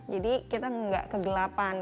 jadi kita tidak kegelapan